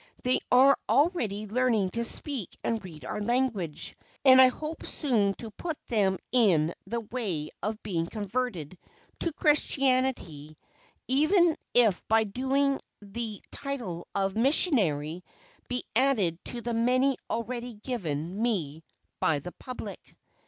They are already learning to speak and read our language, and I hope soon to put them in the way of being converted to Christianity, even if by so doing the title of "Missionary" be added to the many already given me by the public.